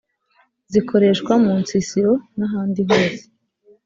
zikoreshwa munsisiro n’ahandi hose